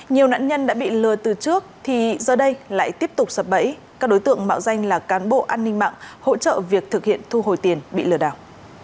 nhiều nạn nhân đã bị lừa từ trước thì giờ đây lại tiếp tục sập bẫy các đối tượng mạo danh là cán bộ an ninh mạng hỗ trợ việc thực hiện thu hồi tiền bị lừa đảo